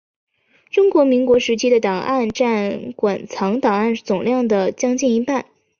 中华民国时期的档案占馆藏档案总量的将近一半。